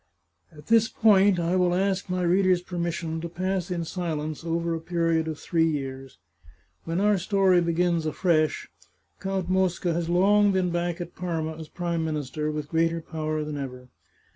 At this point I will ask my readers' permission to pass in silence over a period of three years. When our story begins afresh. Count Mosca has long been back at Parma as Prime Minister, with greater power than ever.